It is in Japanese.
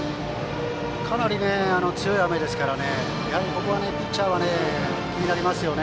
かなり強い雨ですからここはピッチャーは気になりますよね。